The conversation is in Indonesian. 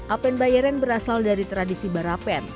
apen bayaran berasal dari tradisi barapen